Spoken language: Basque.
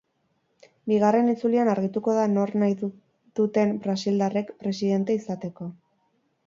Bigarren itzulian argituko da nor nahi duten brasildarrek presidente izateko.